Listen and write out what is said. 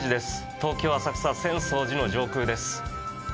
東京・浅草、浅草寺の上空です。